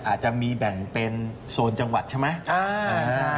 อาจจะมีแบ่งเป็นโซนจังหวัดใช่ไหม